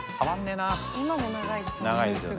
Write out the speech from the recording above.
今も長いですよね